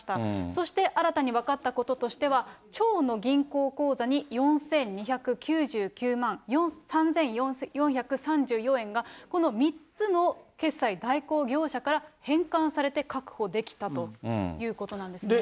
そして新たに分かったこととしては、町の銀行口座に４２９９万３４３４円がこの３つの決済代行業者から返還されて確保できたということなんですね。